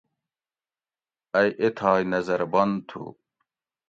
ائ ایتھائ نظر بند تھو